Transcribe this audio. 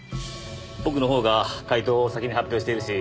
僕の方が解答を先に発表しているし